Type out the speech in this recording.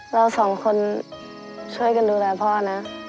เราสองคนช่วยกันดูแลพ่อนะ